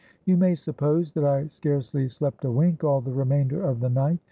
You may suppose that I scarcely slept a wink all the remainder of the night.